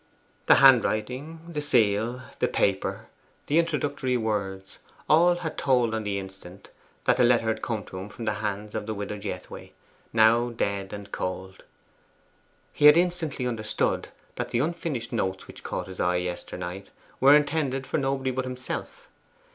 The handwriting, the seal, the paper, the introductory words, all had told on the instant that the letter had come to him from the hands of the widow Jethway, now dead and cold. He had instantly understood that the unfinished notes which caught his eye yesternight were intended for nobody but himself.